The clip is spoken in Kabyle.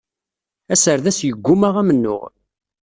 Aserdas yeggumma amennuɣ.